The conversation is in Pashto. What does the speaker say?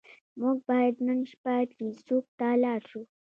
موږ باید نن شپه چیسوک ته لاړ شو.